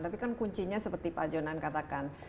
tapi kan kuncinya seperti pak jonan katakan